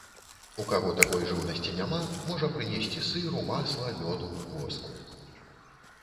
У каго такой жыўнасці няма, можа прынесці сыру, масла, мёду, воску.